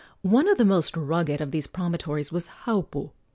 One of the most rugged of these promontories was Haupu.